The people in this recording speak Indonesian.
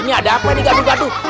ini ada apa ini gadu gadu